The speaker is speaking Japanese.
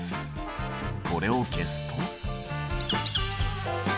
これを消すと。